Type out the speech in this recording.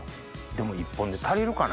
でも１本で足りるかな？